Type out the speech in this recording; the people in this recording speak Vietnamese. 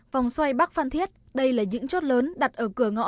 vòng xoay bắc phan thiết đây là những chốt lớn đặt ở cửa ngõ